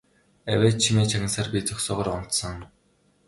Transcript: Авиа чимээ чагнасаар би зогсоогоороо унтсан.